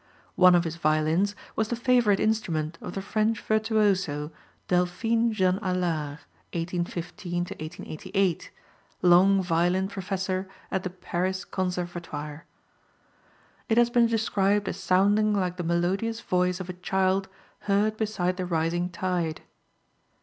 One of his violins was the favorite instrument of the French virtuoso Delphine Jean Alard (1815 1888), long violin professor at the Paris Conservatoire. It has been described as sounding like the melodious voice of a child heard beside the rising tide.